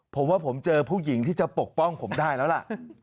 ผมว่าผมเจอผู้หญิงที่จะปกป้องผมได้แล้วล่ะ